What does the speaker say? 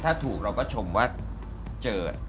ถ้าถูกเราก็ชมว่าเจอ